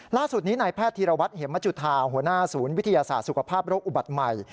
ล่าสุดนี้นายแพทย์ธีรวัตรเหมจุธาหัวหน้าศูนย์วิทยาศาสตร์สุขภาพโรคอุบัติใหม่